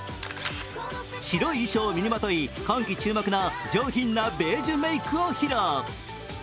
白い衣装を身にまとい、今季注目のベージュメークを披露。